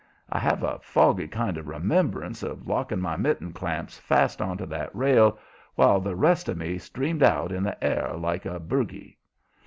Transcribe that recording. I have a foggy kind of remembrance of locking my mitten clamps fast onto that rail while the rest of me streamed out in the air like a burgee.